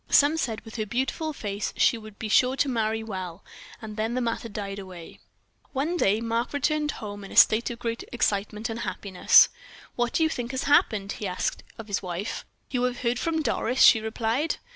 Some said, with her beautiful face she would be sure to marry well; and then the matter died away. One day Mark returned home in a state of great excitement and happiness. "What do you think has happened," he asked of his wife. "You have heard from Doris," she replied.